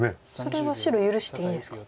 それは白許していいんですか？